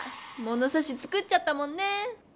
ものさし作っちゃったもんね！